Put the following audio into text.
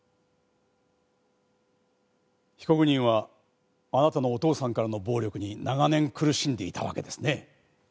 被告人はあなたのお父さんからの暴力に長年苦しんでいたわけですね？